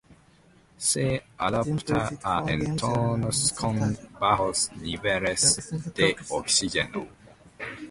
Se adapta a entornos con bajos niveles de oxígeno.